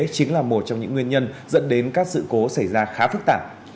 chính là một trong những nguyên nhân dẫn đến các sự cố xảy ra khá phức tạp